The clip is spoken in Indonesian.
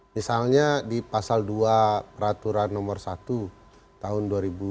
misalnya di pasal dua peraturan nomor satu tahun dua ribu dua puluh